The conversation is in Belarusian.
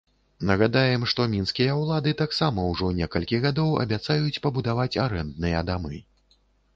Нагадаем, што мінскія ўлады таксама ўжо некалькі гадоў абяцаюць пабудаваць арэндныя дамы.